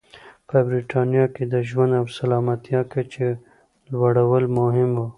په برېټانیا کې د ژوند او سلامتیا کچې لوړول مهم و.